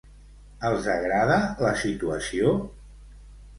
Els agrada la situació?